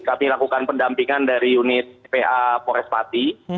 kami lakukan pendampingan dari unit